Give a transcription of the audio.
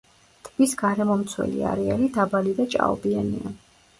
ტბის გარემომცველი არეალი დაბალი და ჭაობიანია.